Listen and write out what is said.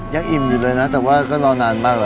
อิ่มอยู่เลยนะแต่ว่าก็รอนานมากเลย